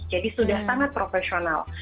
jadi sudah sangat profesional